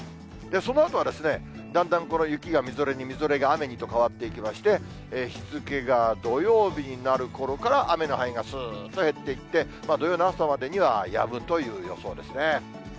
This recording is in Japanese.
そのあとはですね、だんだんこの雪がみぞれに、みぞれが雨にと変わっていきまして、日付が土曜日になるころから雨の範囲がすーっと減っていって、土曜の朝までにはやむという予想ですね。